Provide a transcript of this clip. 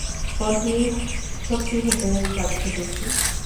কোনটি সত্যি হতে যাচ্ছে দেখি।